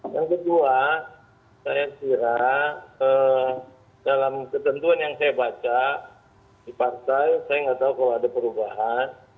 yang kedua saya kira dalam ketentuan yang saya baca di partai saya nggak tahu kalau ada perubahan